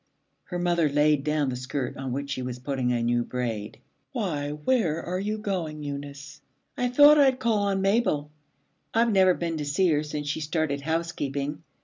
Her mother laid down the skirt on which she was putting a new braid. 'Why, where are you going, Eunice?' 'I thought I'd call on Mabel. I've never been to see her since she started housekeeping.